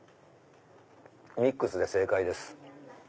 ミックスで正解です。